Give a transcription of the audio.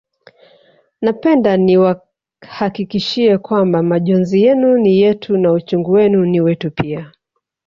Napenda niwahakikishie kwamba majonzi yenu ni yetu na uchungu wenu ni wetu pia